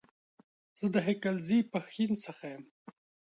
زه د هيکلزئ ، پښين سخه يم